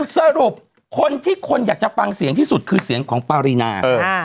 สรุปคนที่คนอยากจะฟังเสียงที่สุดคือเสียงของปารีนา